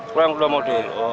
kurang dua modul